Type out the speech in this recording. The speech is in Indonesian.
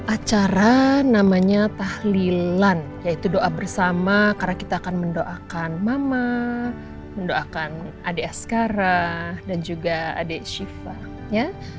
acara namanya tahlilan yaitu doa bersama karena kita akan mendoakan mama mendoakan adik sekarang dan juga adik syifa ya